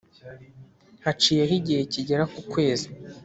haciyeho igihe kigera ku kwezi,